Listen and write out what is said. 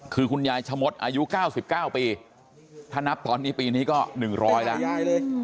คือคุณยายชะมดอายุ๙๙ปีถ้านับตอนนี้ปีนี้ก็๑๐๐แล้ว